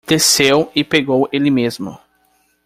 Desceu e pegou ele mesmo.